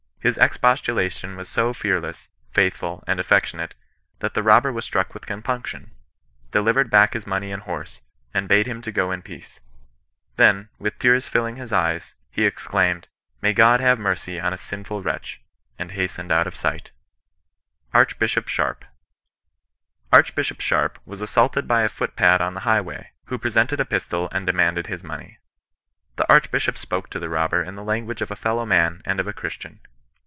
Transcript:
His expostulation was so fearless, faith ful, and affectionate, that the robber was struck with compunction, delivered back his money and horse, and bade him go in peace. Then, with tears filling his eyes, he exclaimed, —" May God have mercy on a sinful wretch/' and hastened out of sight. CIIBISTIAN NON BESISTANCK. Ill ARCHBISHOP SHARPE. '^ Archbishop Sharpe was assaulted by a footpad on the highway, who presented a pistol and demanded his money. The Archbishop spoke to the robber in the lan guage of a fellow man and of a Christian.